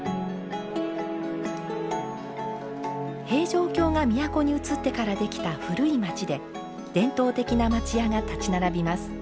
平城京が都に移ってからできた古い町で伝統的な町家が立ち並びます。